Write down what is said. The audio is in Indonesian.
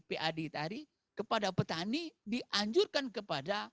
pad tadi kepada petani dianjurkan kepada